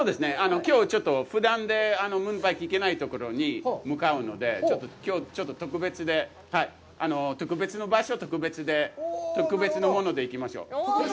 きょうちょっとふだんでムーンバイクで行けないところに向かうので、ちょっと特別で、特別の場所、特別で、特別のもので行きましょう。